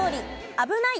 「危ない！